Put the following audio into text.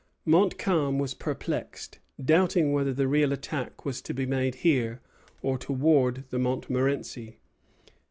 Montcalm was perplexed, doubting whether the real attack was to be made here, or toward the Montmorenci.